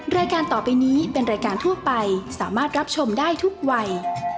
รายการต่อไปนี้เป็นรายการทั่วไปสามารถรับชมได้ทุกวัย